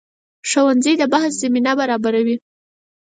ښوونځی د بحث زمینه برابروي